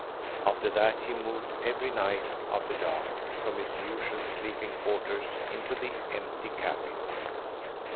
After that he moved every night, after dark, from his usual sleeping quarters into the empty cabin.